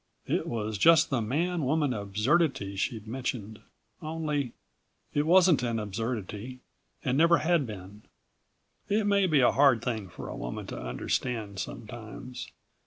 It was just the man woman absurdity she'd mentioned, only ... it wasn't an absurdity and never had been. It may be a hard thing for a woman to understand, sometimes.